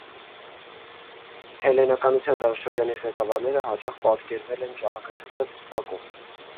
Հելլենականության դարաշրջանի ղեկավարները հաճախ պատկերվել են ճառագայթաձև պսակով։